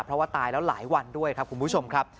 เพราะว่าตายแล้วหลายวันด้วยครับคุณผู้ชมครับ